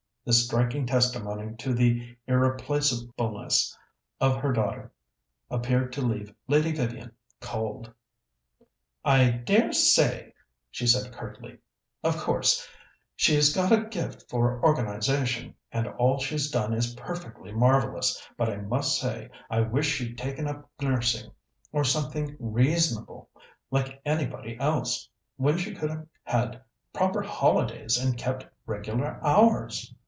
This striking testimony to the irreplacableness of her daughter appeared to leave Lady Vivian cold. "I dare say," she said curtly. "Of course, she's got a gift for organization, and all she's done is perfectly marvellous, but I must say I wish she'd taken up nursing or something reasonable, like anybody else, when she could have had proper holidays and kept regular hours."